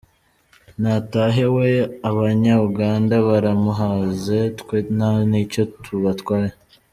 Natahe we, abanya Uganda baramuhaze, twe nta n’icyo tubatwaye!